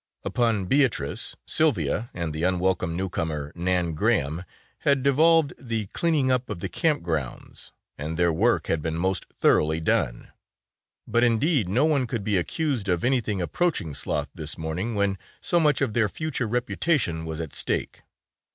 Upon Beatrice, Sylvia and the unwelcome newcomer, Nan Graham, had devolved the cleaning up of the camp grounds and their work had been most thoroughly done, but indeed no one could be accused, of anything approaching sloth this morning when so much of their future reputation was at stake.